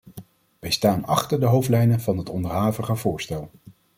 Wij staan achter de hoofdlijnen van het onderhavige voorstel.